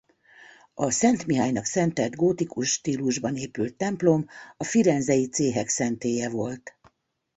A Szent Mihálynak szentelt gótikus stílusban épült templom a firenzei céhek szentélye volt.